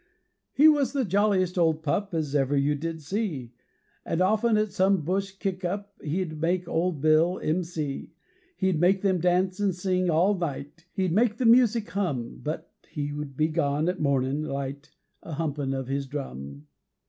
He was the jolliest old pup As ever you did see, And often at some bush kick up They'd make old Bill M.C. He'd make them dance and sing all night, He'd make the music hum, But he'd be gone at mornin' light A humpin' of his drum.